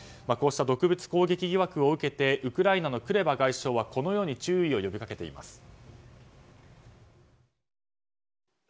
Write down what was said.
こうした毒物攻撃疑惑を受けてウクライナのクレバ外相はこのように注意を呼びかけています。